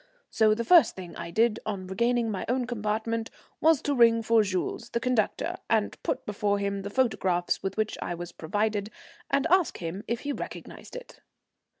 So the first thing I did on regaining my own compartment was to ring for Jules, the conductor, and put before him the photograph with which I was provided, and ask him if he recognized it.